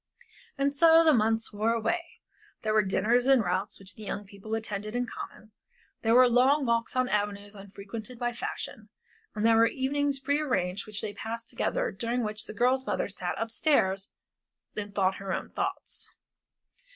And so the months wore away. There were dinners and routs which the young people attended in common, there were long walks on avenues unfrequented by fashion, and there were evenings prearranged which they passed together and during which the girl's mother sat up stairs and thought her own thoughts.